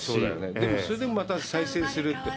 でもそれでまた再生するって。